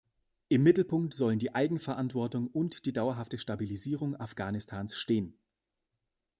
Im Mittelpunkt sollen die Eigenverantwortung und die dauerhafte Stabilisierung Afghanistans stehen.